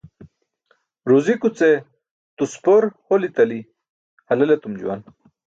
Ruzikuce tuspor holi tali halel etum juwan.